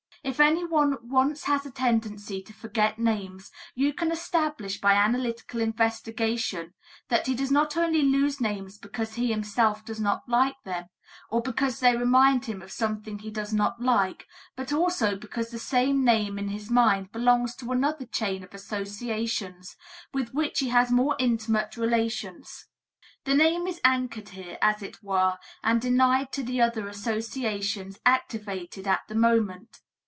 If anyone once has a tendency to forget names, you can establish by analytical investigation that he not only loses names because he himself does not like them, or because they remind him of something he does not like, but also because the same name in his mind belongs to another chain of associations, with which he has more intimate relations. The name is anchored there, as it were, and denied to the other associations activated at the moment.